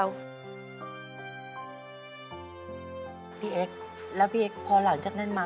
พี่เอ็กซ์แล้วพี่เอ็กซอหลังจากนั้นมา